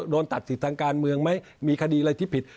โดนตัดสิทธิ์ทางการเมืองไหมมีคดีอะไรที่ผิด